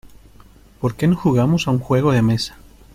¿Por qué no jugamos a un juego de mesa?